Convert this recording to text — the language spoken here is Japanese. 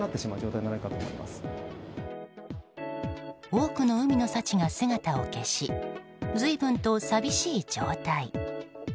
多くの海の幸が姿を消し随分と寂しい状態。